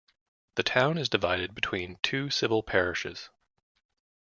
The town is divided between two civil parishes.